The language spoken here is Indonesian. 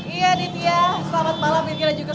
iya ditia selamat malam